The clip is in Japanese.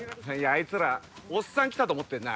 あいつらおっさん来たと思ってんな